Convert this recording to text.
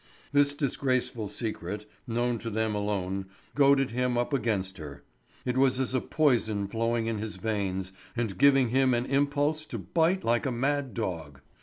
This disgraceful secret, known to them alone, goaded him up against her. It was as a poison flowing in his veins and giving him an impulse to bite like a mad dog.